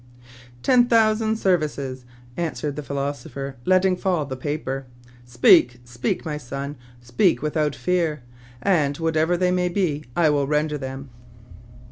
'* "Ten thousand services,'* answered the philoso pher, letting fall the paper. " Speak, speak, my son ! speak without fear ; and, whatever they may be, I will render them."